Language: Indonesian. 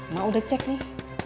mak udah cek nih